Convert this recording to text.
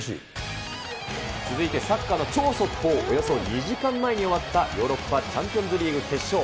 続いてサッカーの超速報、およそ２時間前に終わったヨーロッパチャンピオンズリーグ決勝。